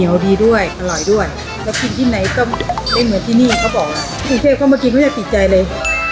เขาบอกปรุงเทพเข้ามากินไม่ได้ติดใจเลย